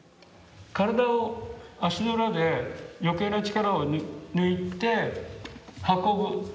身体を足の裏で余計な力を抜いて運ぶ。